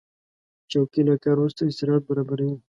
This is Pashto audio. چوکۍ له کار وروسته استراحت برابروي.